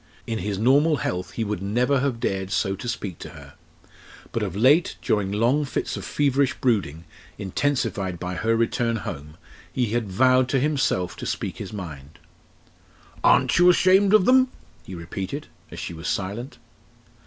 In his normal health he would never have dared so to speak to her. But of late, during long fits of feverish brooding intensified by her return home he had vowed to himself to speak his mind. "Aren't you ashamed of them?" he repeated, as she was silent.